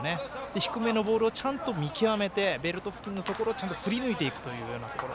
低めのボールをちゃんと見極めてベルト付近のところを振り抜いていくというところ。